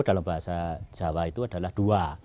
dalam bahasa jawa itu adalah dua